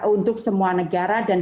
untuk semua negara dan